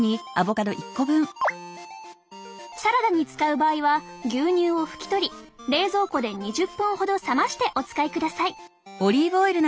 サラダに使う場合は牛乳を拭き取り冷蔵庫で２０分ほど冷ましてお使いください。